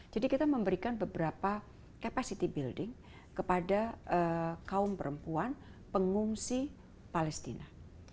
jadi kita memberikan beberapa capacity building kepada kaum perempuan pengungsi palestina